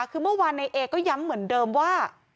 คือเมื่อวานในเอก็ย้ำเหมือนเดิมว่า